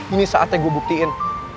ini saatnya gue buktiin